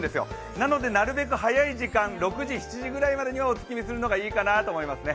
なので、なるべく早い時間、６時、７時くらいまでにお月見するのがいいかなと思いますね。